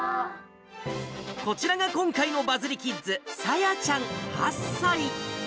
こちらが今回のバズリキッズ、さやちゃん８歳。